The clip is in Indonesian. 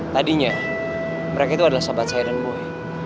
tadinya mereka itu adalah sahabat saya dan boy